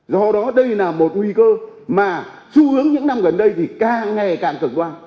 do đó đây là một nguy cơ mà xu hướng những năm gần đây thì càng ngày càng cực đoan